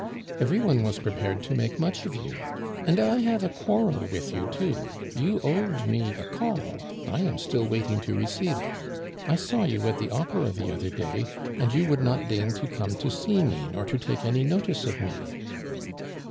"Every one was prepared to make much of you. And I have a quarrel with you too. You owed me a call I am still waiting to receive it. I saw you at the Opera the other day, and you would not deign to come to see me nor to take any notice of me."